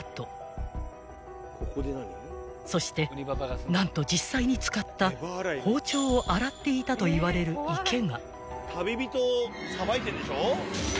［そして何と実際に使った包丁を洗っていたといわれる池が］